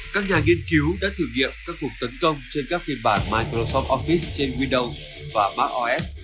các nhà nghiên cứu đã thử nghiệm các cuộc tấn công trên các phiên bản microsoft office trên windows và mac os